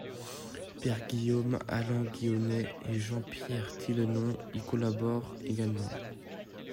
Pierre Guillaume, Alain Guionnet et Jean-Pierre Tillenon y collaborent également.